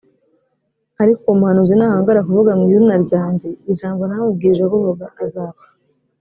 ariko uwo muhanuzi nahangara kuvuga mu izina ryanjye ijambo ntamubwirije kuvuga, azapfa